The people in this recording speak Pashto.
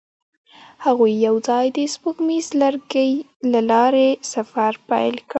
هغوی یوځای د سپوږمیز لرګی له لارې سفر پیل کړ.